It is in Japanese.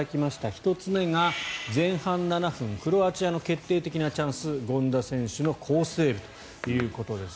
１つ目が前半７分クロアチアの決定的なチャンス権田選手の好セーブということです。